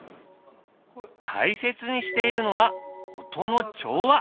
大切にしているのは音の調和。